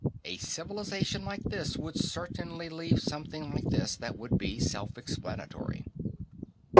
A civilization like this would certainly leave something like this, that would be self explanatory."